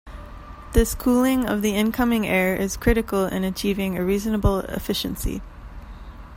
This cooling of the incoming air is critical in achieving a reasonable efficiency.